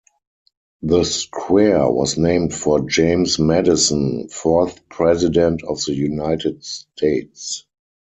The square was named for James Madison, fourth President of the United States.